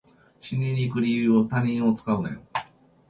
死にに行く理由に他人を使うなよ